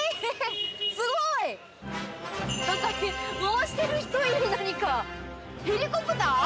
すごい！回してる人いる何かヘリコプター？